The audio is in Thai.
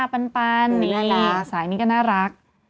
วาวาก็เป็น